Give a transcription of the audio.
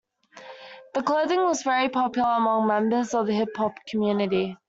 The clothing was very popular among members of the hip-hop community.